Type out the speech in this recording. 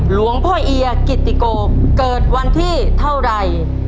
หลวงพ่อเอียกิตติโกเกิดวันที่เท่าไร